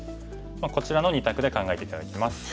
こちらの２択で考えて頂きます。